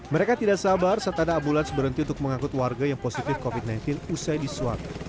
mereka tidak sabar saat ada ambulans berhenti untuk mengangkut warga yang positif covid sembilan belas usai disuap